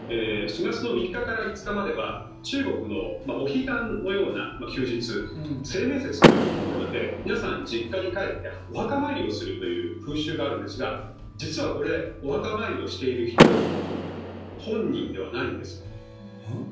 ４月の３日から５日までは中国のお彼岸のような休日清明節というところで皆さん実家に帰ってお墓参りをするという風習があるんですが実は、お墓参りをしている人本人ではないんです。